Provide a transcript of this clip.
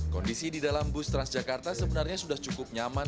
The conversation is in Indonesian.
kondisi di dalam bus transjakarta sebenarnya sudah cukup nyaman